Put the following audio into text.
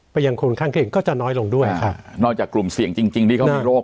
ยังคนข้างเคียงก็จะน้อยลงด้วยค่ะนอกจากกลุ่มเสี่ยงจริงจริงที่เขามีโรค